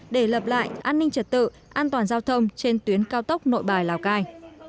để lập lại an ninh trật tự an toàn giao thông trên tuyến cao tốc nội bài lào cai